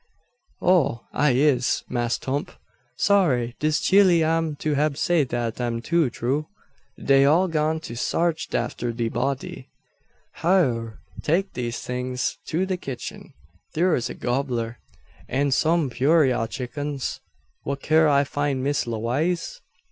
"Oh! I is, Mass' 'Tump. Sorry dis chile am to hab say dat am too troo. Dey all gone to sarch atter de body." "Hyur! Take these things to the kitchen. Thur's a gobbler, an some purayra chickens. Whar kin I find Miss Lewaze?"